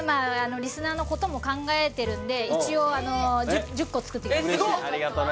リスナーのことも考えてるんで一応１０個作ってきましたありがとな